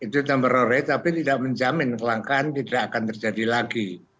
itu number of rate tapi tidak menjamin kelangkaan tidak akan terjadi lagi